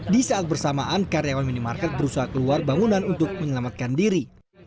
di saat bersamaan karyawan minimarket berusaha keluar bangunan untuk menyelamatkan diri